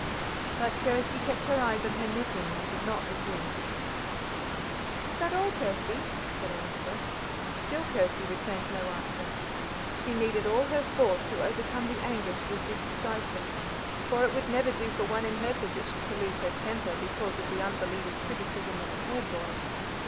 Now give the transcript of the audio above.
But Kirsty kept her eyes on her knitting, and did not resume. "Is that all, Kirsty?" said Allister. Still Kirsty returned no answer. She needed all her force to overcome the anger she was busy stifling. For it would never do for one in her position to lose her temper because of the unbelieving criticism of a herd boy.